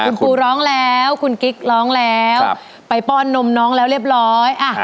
คุณครูร้องแล้วคุณกิ๊กร้องแล้วไปป้อนนมน้องแล้วเรียบร้อย